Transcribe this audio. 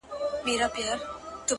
o ستـا له خندا سره خبري كـوم،